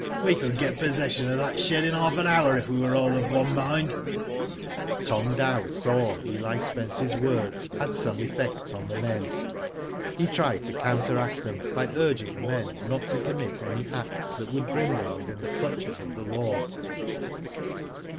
We could get possession of that shed in half an hour, if we were all of one mind." Tom Dow saw Eli Spence's words had some effect on the men. He tried to counteract 'them, by urging the men not to commit any acts that would* bring them within the clutches of the law.